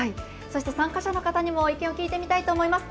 参加者の方にも聞いてみたいと思います。